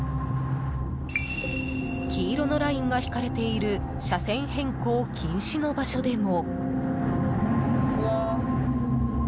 黄色のラインが引かれている車線変更禁止の場所でも。